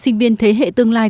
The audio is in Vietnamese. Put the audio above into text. sinh viên thế hệ tương lai